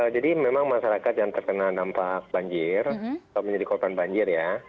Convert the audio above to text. jadi memang masyarakat yang terkena dampak banjir atau menjadi korban banjir ya